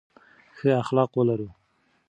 ښه اخلاق ولرو.